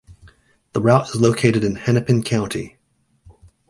The route is located in Hennepin County.